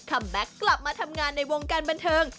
แบ็คกลับมาทำงานในวงการบันเทิง